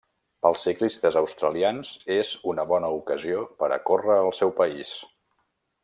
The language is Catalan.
Pels ciclistes australians és una bona ocasió per a córrer al seu país.